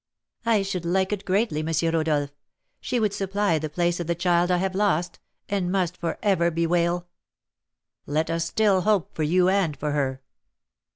"I should like it greatly, M. Rodolph; she would supply the place of the child I have lost, and must for ever bewail." "Let us still hope for you and for her."